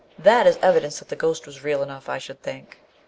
That is evidence that the ghost was real enough, I should think.